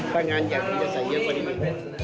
ถ้างานอยากจะใส่เยอะกว่านี้